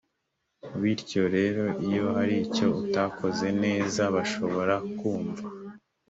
bityo rero iyo hari icyo utakoze neza bashobora kumva